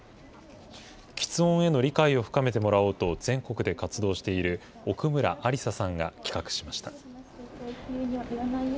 きつ音への理解を深めてもらおうと全国で活動している奥村安莉沙さんが企画しました。